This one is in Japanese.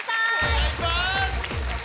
お願いします！